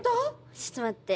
ちょっと待って。